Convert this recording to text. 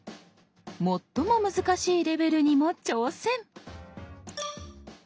最も難しいレベルにも挑戦。